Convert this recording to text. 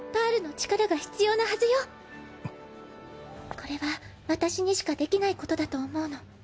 これは私にしかできないことだと思うの。